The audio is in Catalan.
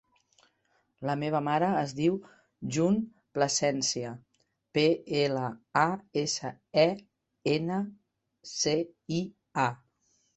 La meva mare es diu June Plasencia: pe, ela, a, essa, e, ena, ce, i, a.